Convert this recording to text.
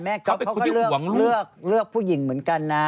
แม่ก๊อปเขาก็เลือกผู้หญิงเหมือนกันนะ